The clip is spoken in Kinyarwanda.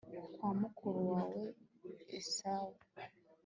kwa mukuru wawe esawu